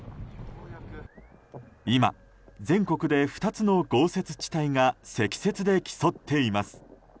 今、全国で２つの豪雪地帯が積雪で競っています。